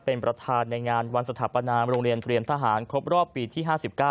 เป็นประธานในงานวันสถาปนามโรงเรียนเตรียมทหารครบรอบปีที่๕๙